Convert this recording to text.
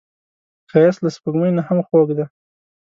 ښایست له سپوږمۍ نه هم خوږ دی